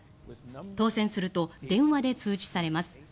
当選すると電話で通知されます。